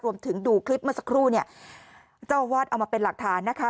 ดูคลิปเมื่อสักครู่เนี่ยเจ้าอาวาสเอามาเป็นหลักฐานนะคะ